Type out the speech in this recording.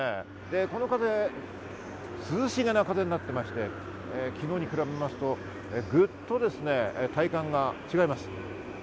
この風涼しげな風になってきまして昨日に比べるとグッと体感が違います。